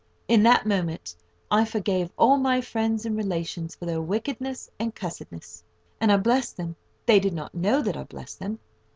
In that moment I forgave all my friends and relations for their wickedness and cussedness, and I blessed them. They did not know that I blessed them.